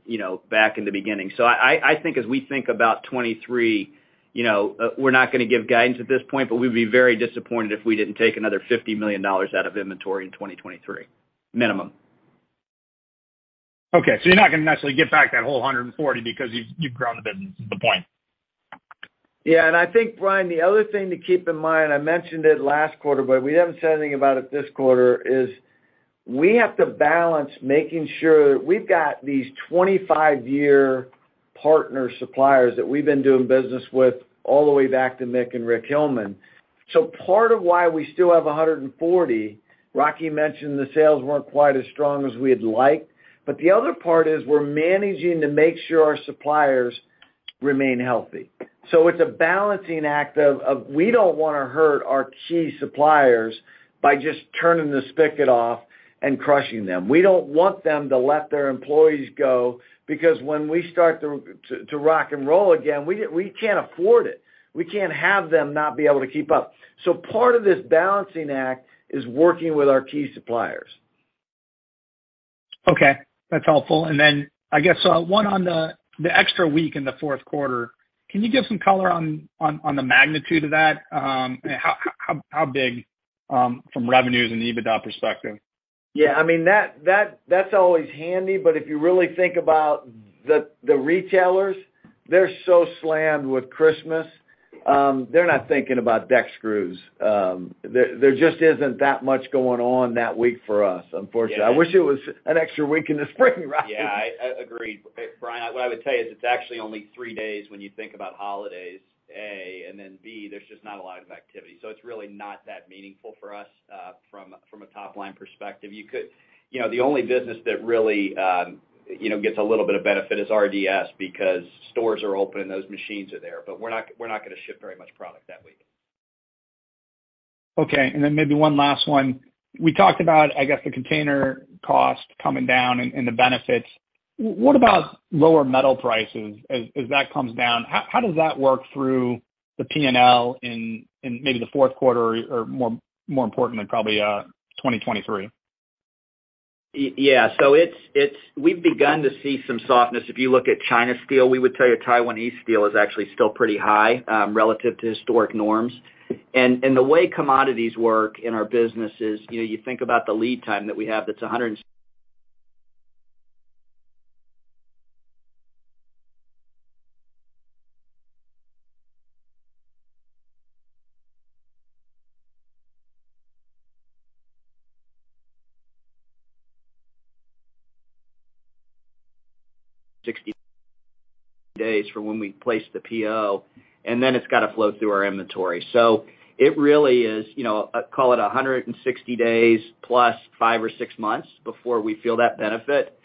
you know, back in the beginning. I think as we think about 2023, you know, we're not gonna give guidance at this point, but we'd be very disappointed if we didn't take another $50 million out of inventory in 2023, minimum. Okay. You're not gonna necessarily get back that whole $140 because you've grown the business to the point. Yeah. I think, Brian, the other thing to keep in mind, I mentioned it last quarter, but we haven't said anything about it this quarter, is we have to balance making sure. We've got these 25-year partner suppliers that we've been doing business with all the way back to Mick and Rick Hillman. So part of why we still have $140 million, Rocky mentioned the sales weren't quite as strong as we'd like, but the other part is we're managing to make sure our suppliers remain healthy. So it's a balancing act of we don't wanna hurt our key suppliers by just turning the spigot off and crushing them. We don't want them to let their employees go, because when we start to rock and roll again, we can't afford it. We can't have them not be able to keep up. Part of this balancing act is working with our key suppliers. Okay, that's helpful. Then I guess one on the extra week in the fourth quarter, can you give some color on the magnitude of that? How big from revenues and the EBITDA perspective? Yeah, I mean, that's always handy, but if you really think about the retailers, they're so slammed with Christmas, they're not thinking about deck screws. There just isn't that much going on that week for us, unfortunately. Yeah. I wish it was an extra week in the spring. Yeah, I agree. Brian, what I would tell you is it's actually only three days when you think about holidays, A, and then B, there's just not a lot of activity. It's really not that meaningful for us from a top-line perspective. You know, the only business that really gets a little bit of benefit is RDS because stores are open and those machines are there. We're not gonna ship very much product that week. Okay. Maybe one last one. We talked about, I guess, the container cost coming down and the benefits. What about lower metal prices as that comes down? How does that work through the P&L in maybe the fourth quarter or more importantly, probably, 2023? Yeah. We've begun to see some softness. If you look at Chinese steel, we would tell you Taiwanese steel is actually still pretty high relative to historic norms. The way commodities work in our business is, you know, you think about the lead time that we have, that's 160 days from when we place the PO, and then it's got to flow through our inventory. It really is, you know, call it 160 days plus five or six months before we feel that benefit.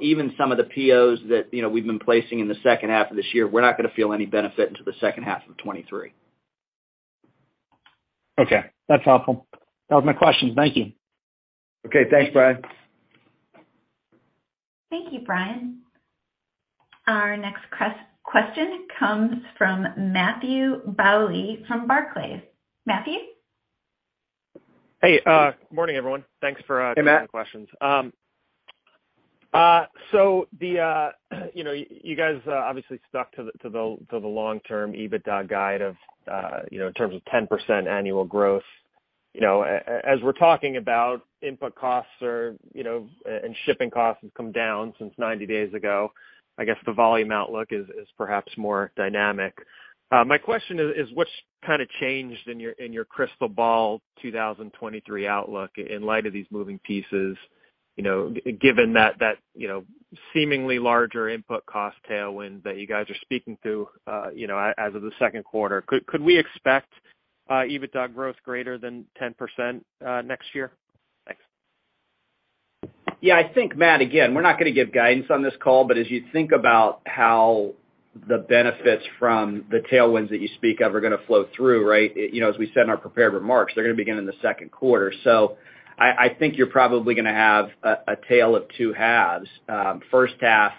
Even some of the POs that, you know, we've been placing in the second half of this year, we're not gonna feel any benefit until the second half of 2023. Okay, that's helpful. That was my questions. Thank you. Okay. Thanks, Brian. Thank you, Brian. Our next question comes from Matthew Bouley from Barclays. Matthew? Hey, morning, everyone. Thanks for. Hey, Matt. ...taking the questions. So the, you know, you guys obviously stuck to the long-term EBITDA guide of, you know, in terms of 10% annual growth. You know, as we're talking about input costs are, you know, and shipping costs have come down since 90 days ago, I guess the volume outlook is perhaps more dynamic. My question is what's kind of changed in your crystal ball 2023 outlook in light of these moving pieces, you know, given that, you know, seemingly larger input cost tailwind that you guys are speaking to, you know, as of the second quarter? Could we expect EBITDA growth greater than 10%, next year? Thanks. Yeah, I think, Matt, again, we're not gonna give guidance on this call, but as you think about how the benefits from the tailwinds that you speak of are gonna flow through, right? You know, as we said in our prepared remarks, they're gonna begin in the second quarter. I think you're probably gonna have a tale of two halves. First half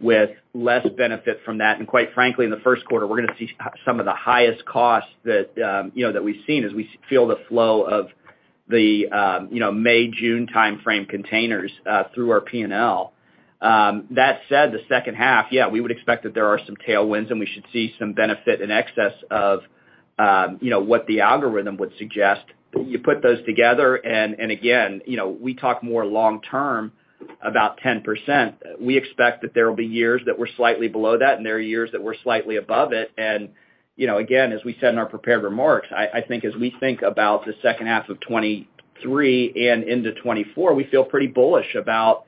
with less benefit from that. Quite frankly, in the first quarter, we're gonna see some of the highest costs that you know that we've seen as we feel the flow of the you know May June timeframe containers through our P&L. That said, the second half, yeah, we would expect that there are some tailwinds and we should see some benefit in excess of you know what the algorithm would suggest. You put those together, and again, you know, we talk more long-term about 10%. We expect that there will be years that we're slightly below that, and there are years that we're slightly above it. You know, again, as we said in our prepared remarks, I think as we think about the second half of 2023 and into 2024, we feel pretty bullish about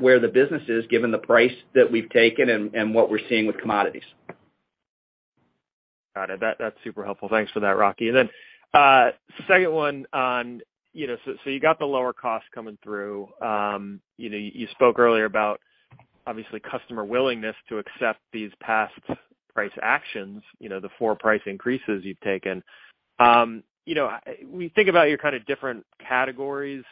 where the business is given the price that we've taken and what we're seeing with commodities. Got it. That's super helpful. Thanks for that, Rocky. Second one on, you know, so you got the lower cost coming through. You know, you spoke earlier about obviously customer willingness to accept these past price actions, you know, the four price increases you've taken. You know, when you think about your kind of different categories,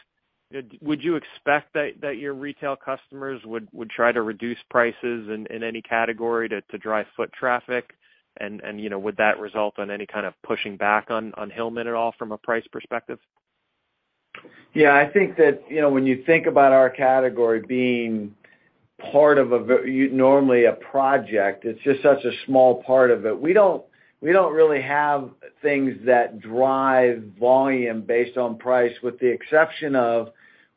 would you expect that your retail customers would try to reduce prices in any category to drive foot traffic? You know, would that result in any kind of pushing back on Hillman at all from a price perspective? Yeah, I think that, you know, when you think about our category being part of a normally a project, it's just such a small part of it. We don't really have things that drive volume based on price, with the exception of,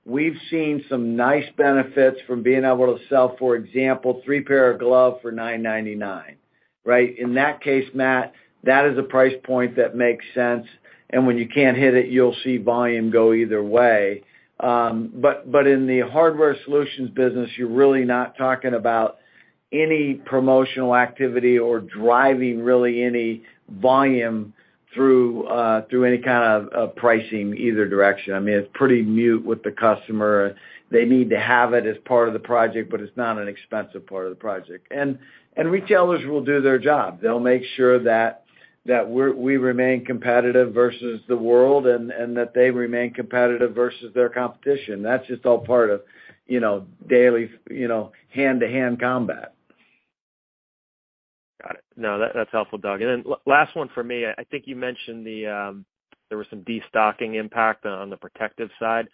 we've seen some nice benefits from being able to sell, for example, three pair of gloves for $9.99, right? In that case, Matt, that is a price point that makes sense. When you can't hit it, you'll see volume go either way. But in the Hardware Solutions business, you're really not talking about any promotional activity or driving really any volume through any kind of pricing either direction. I mean, it's pretty moot with the customer. They need to have it as part of the project, but it's not an expensive part of the project. Retailers will do their job. They'll make sure that we remain competitive versus the world and that they remain competitive versus their competition. That's just all part of, you know, daily, you know, hand-to-hand combat. No, that's helpful, Doug. Then last one for me. I think you mentioned that there was some destocking impact on the protective side.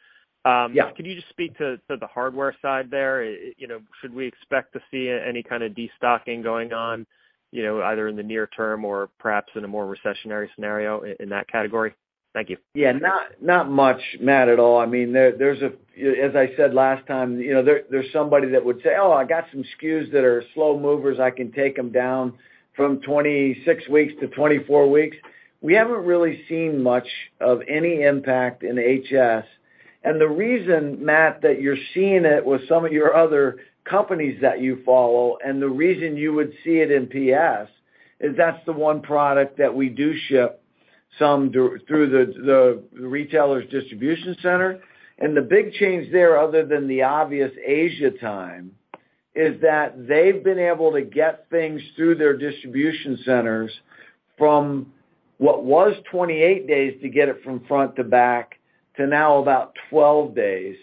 Yeah. Can you just speak to the hardware side there? You know, should we expect to see any kind of destocking going on, you know, either in the near term or perhaps in a more recessionary scenario in that category? Thank you. Yeah. Not much, Matt, at all. I mean, as I said last time, you know, there's somebody that would say, "Oh, I got some SKUs that are slow movers. I can take them down from 26 weeks to 24 weeks." We haven't really seen much of any impact in HS. The reason, Matt, that you're seeing it with some of your other companies that you follow, and the reason you would see it in PS, is that's the one product that we do ship some through the retailer's distribution center. The big change there, other than the obvious Asia time, is that they've been able to get things through their distribution centers from what was 28 days to get it from front to back to now about 12 days.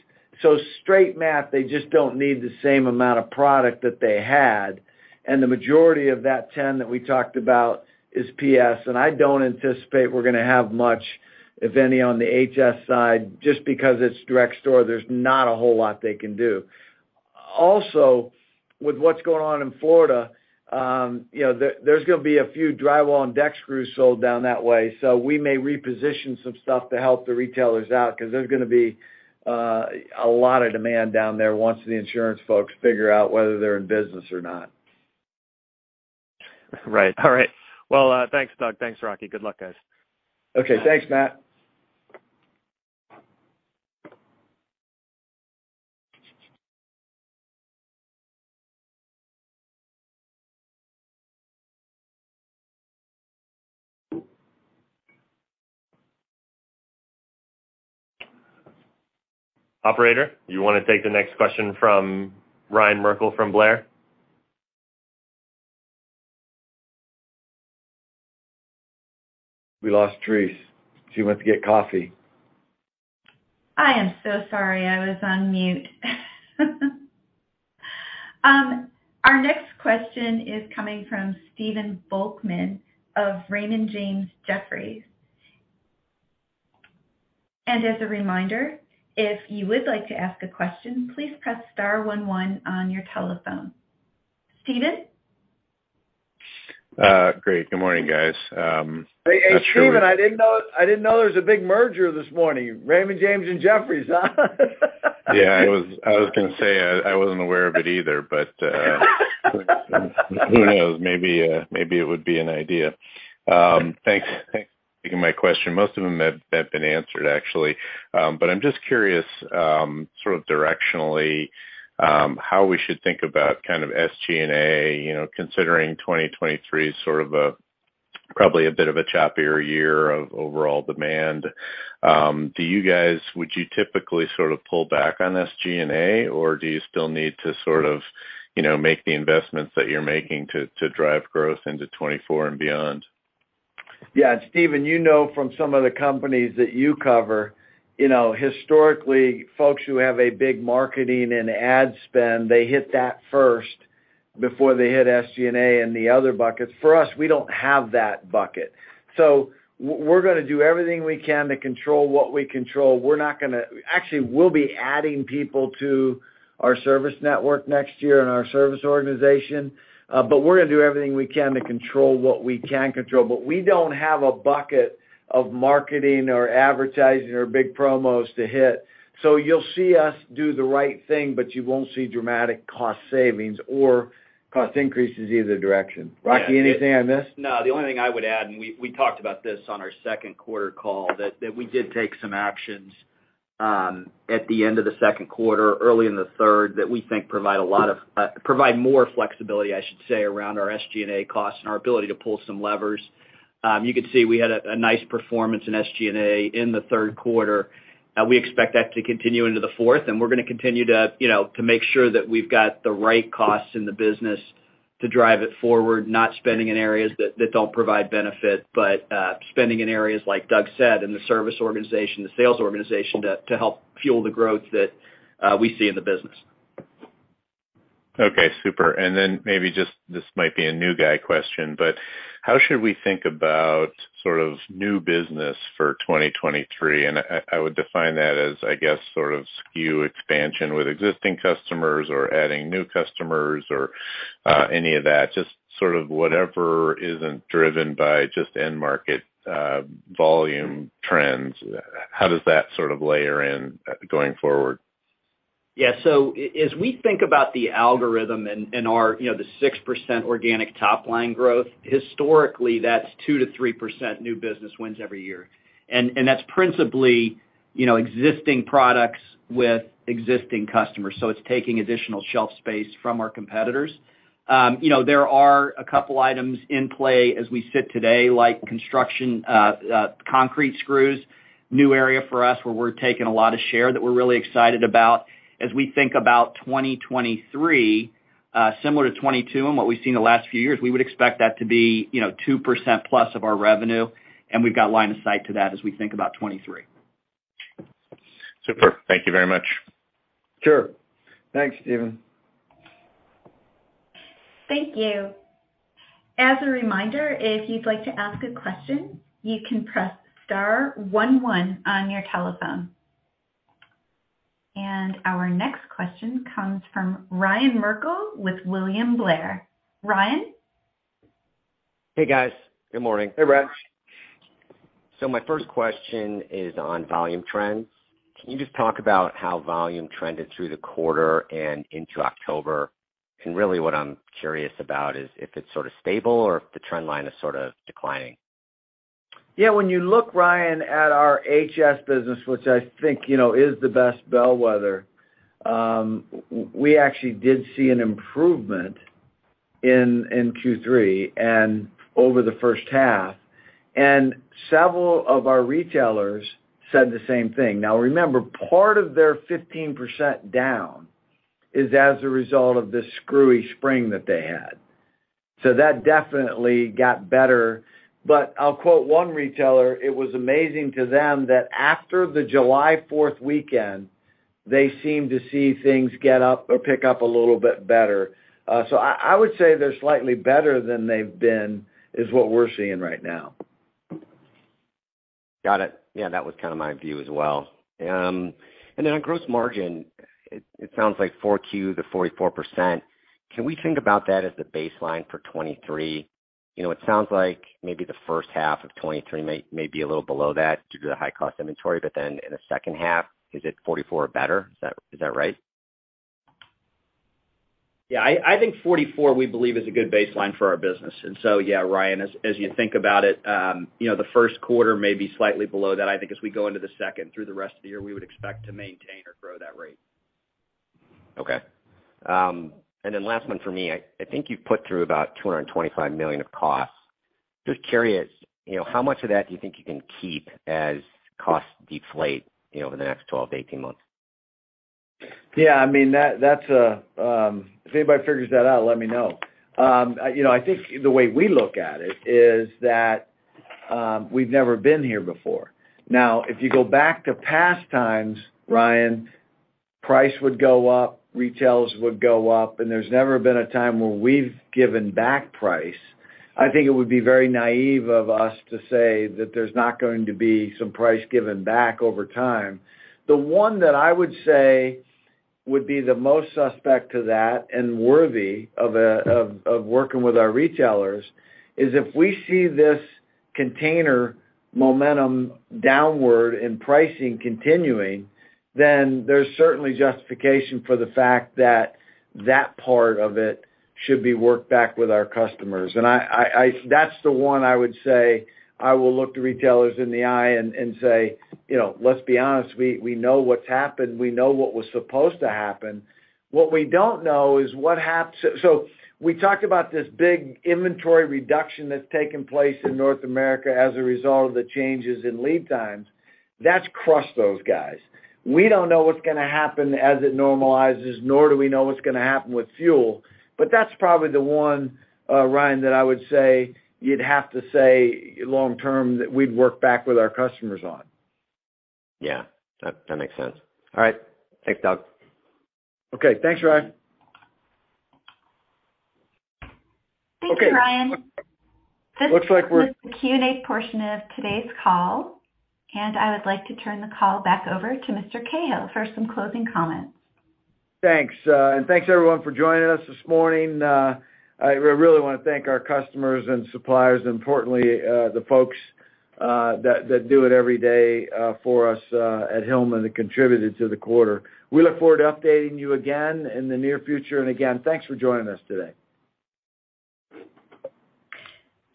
Straight math, they just don't need the same amount of product that they had, and the majority of that 10 that we talked about is PS. I don't anticipate we're gonna have much, if any, on the HS side. Just because it's direct store, there's not a whole lot they can do. Also, with what's going on in Florida, you know, there's gonna be a few drywall and deck screws sold down that way. We may reposition some stuff to help the retailers out because there's gonna be a lot of demand down there once the insurance folks figure out whether they're in business or not. Right. All right. Well, thanks, Doug. Thanks, Rocky. Good luck, guys. Okay. Thanks, Matt. Operator, you wanna take the next question from Ryan Merkel from Blair? We lost Therese. She went to get coffee. I am so sorry. I was on mute. Our next question is coming from Stephen Volkmann of Jefferies. As a reminder, if you would like to ask a question, please press star one one on your telephone. Stephen? Great. Good morning, guys. Hey, Stephen, I didn't know there was a big merger this morning. Raymond James and Jefferies, huh? Yeah, I was gonna say, I wasn't aware of it either, but who knows? Maybe it would be an idea. Thanks. Taking my question, most of them have been answered actually. I'm just curious, sort of directionally, how we should think about kind of SG&A, you know, considering 2023 is sort of a, probably a bit of a choppier year of overall demand. Would you typically sort of pull back on SG&A, or do you still need to sort of, you know, make the investments that you're making to drive growth into 2024 and beyond? Yeah, Stephen, you know, from some of the companies that you cover, you know, historically, folks who have a big marketing and ad spend, they hit that first before they hit SG&A and the other buckets. For us, we don't have that bucket. We're gonna do everything we can to control what we control. Actually, we'll be adding people to our service network next year and our service organization, but we're gonna do everything we can to control what we can control. We don't have a bucket of marketing or advertising or big promos to hit. You'll see us do the right thing, but you won't see dramatic cost savings or cost increases either direction. Rocky, anything I missed? No. The only thing I would add, and we talked about this on our second quarter call, that we did take some actions at the end of the second quarter, early in the third, that we think provide more flexibility, I should say, around our SG&A costs and our ability to pull some levers. You could see we had a nice performance in SG&A in the third quarter. We expect that to continue into the fourth, and we're gonna continue to, you know, make sure that we've got the right costs in the business to drive it forward, not spending in areas that don't provide benefit, but spending in areas, like Doug said, in the service organization, the sales organization to help fuel the growth that we see in the business. Okay, super. Maybe just, this might be a new guy question. How should we think about sort of new business for 2023? I would define that as, I guess, sort of SKU expansion with existing customers or adding new customers or, any of that. Just sort of whatever isn't driven by just end market, volume trends. How does that sort of layer in, going forward? Yeah. We think about the algorithm and our, you know, the 6% organic top line growth, historically, that's 2%-3% new business wins every year. That's principally, you know, existing products with existing customers. It's taking additional shelf space from our competitors. You know, there are a couple items in play as we sit today, like construction, concrete screws, new area for us, where we're taking a lot of share that we're really excited about. As we think about 2023, similar to 2022 and what we've seen the last few years, we would expect that to be, you know, 2%+ of our revenue, and we've got line of sight to that as we think about 2023. Super. Thank you very much. Sure. Thanks, Stephen. Thank you. As a reminder, if you'd like to ask a question, you can press star one one on your telephone. Our next question comes from Ryan Merkel with William Blair. Ryan? Hey, guys. Good morning. Hey, Ryan. My first question is on volume trends. Can you just talk about how volume trended through the quarter and into October? Really what I'm curious about is if it's sort of stable or if the trend line is sort of declining. Yeah. When you look, Ryan, at our HS business, which I think, you know, is the best bellwether, we actually did see an improvement in Q3 and over the first half, and several of our retailers said the same thing. Now, remember, part of their 15% down is as a result of this screwy spring that they had. That definitely got better. I'll quote one retailer, it was amazing to them that after the July fourth weekend, they seemed to see things get up or pick up a little bit better. I would say they're slightly better than they've been, is what we're seeing right now. Got it. Yeah, that was kind of my view as well. On gross margin, it sounds like Q4, the 44%. Can we think about that as the baseline for 2023? You know, it sounds like maybe the first half of 2023 may be a little below that due to the high-cost inventory, but then in the second half, is it 44% or better? Is that right? Yeah. I think 44%, we believe, is a good baseline for our business. Yeah, Ryan, as you think about it, you know, the first quarter may be slightly below that. I think as we go into the second through the rest of the year, we would expect to maintain or grow that rate. Last one for me. I think you've put through about $225 million of costs. Just curious, you know, how much of that do you think you can keep as costs deflate, you know, over the next 12-18 months? Yeah, I mean, that's if anybody figures that out, let me know. You know, I think the way we look at it is that we've never been here before. Now, if you go back to past times, Ryan, price would go up, retail would go up, and there's never been a time where we've given back price. I think it would be very naive of us to say that there's not going to be some price given back over time. The one that I would say would be the most suspect to that and worthy of working with our retailers is if we see this container momentum downward in pricing continuing, then there's certainly justification for the fact that that part of it should be worked back with our customers. That's the one I would say I will look the retailers in the eye and say, you know, "Let's be honest. We know what's happened. We know what was supposed to happen." What we don't know is what. We talked about this big inventory reduction that's taken place in North America as a result of the changes in lead times. That's crushed those guys. We don't know what's gonna happen as it normalizes, nor do we know what's gonna happen with fuel, but that's probably the one, Ryan, that I would say you'd have to say long term that we'd work back with our customers on. Yeah. That makes sense. All right. Thanks, Doug. Okay. Thanks, Ryan. Thank you, Ryan. Okay. Looks like we're. This concludes the Q&A portion of today's call, and I would like to turn the call back over to Mr. Cahill for some closing comments. Thanks. Thanks, everyone for joining us this morning. I really wanna thank our customers and suppliers, importantly, the folks that do it every day for us at Hillman and contributed to the quarter. We look forward to updating you again in the near future. Again, thanks for joining us today.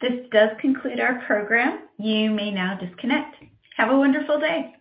This does conclude our program. You may now disconnect. Have a wonderful day.